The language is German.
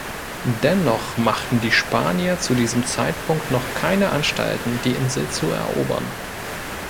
Dennoch machten die Spanier zu diesem Zeitpunkt noch keine Anstalten, die Insel zu erobern.